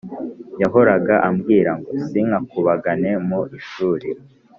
yahoraga ambwira ngo sinkakubagane mu ishuri